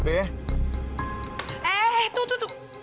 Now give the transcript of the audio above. eh tuh tuh tuh